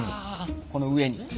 この上に。